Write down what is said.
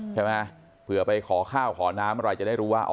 ใช่ไหมเผื่อไปขอข้าวขอน้ำอะไรจะได้รู้ว่าอ๋อ